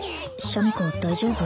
シャミ子大丈夫？